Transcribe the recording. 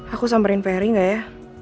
aku samperin feri gak ya